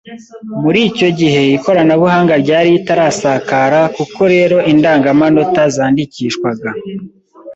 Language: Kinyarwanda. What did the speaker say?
Muri icyo gihe ikoranabuhanga ryari ritarasakara kuko rero indangamanota zandikishwaga